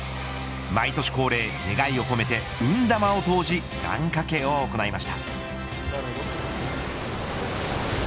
毎年恒例願いを込めて運玉を投じ願掛けを行いました。